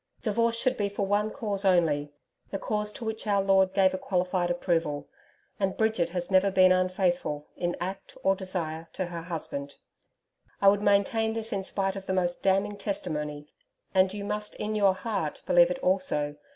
Divorce should be for one cause only the cause to which Our Lord gave a qualified approval; and Bridget has never been unfaithful in act or desire, to her husband. I would maintain this in spite of the most damning testimony, and you must in your heart believe it also.